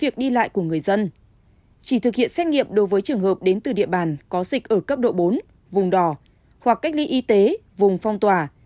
các trường hợp đến từ địa bàn có dịch ở cấp độ bốn vùng đỏ hoặc cách ly y tế vùng phong tỏa